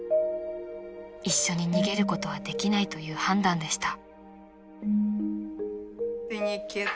［一緒に逃げることはできないという判断でした］